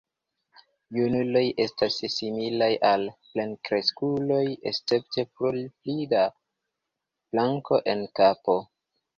Junuloj estas similaj al plenkreskuloj escepte pro pli da blanko en kapo.